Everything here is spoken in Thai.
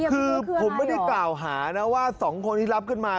คือผมไม่ได้กล่าวหานะว่า๒คนที่รับขึ้นมา